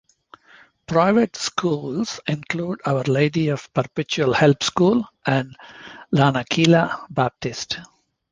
Private schools include Our Lady of Perpetual Help School and Lanakila Baptist.